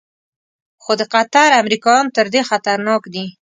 خو د قطر امریکایان تر دې خطرناک دي.